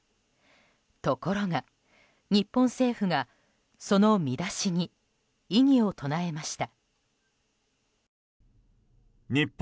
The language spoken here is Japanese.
ところが日本政府がその見出しに異議を唱えました。